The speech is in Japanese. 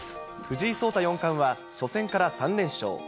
藤井聡太四冠は初戦から３連勝。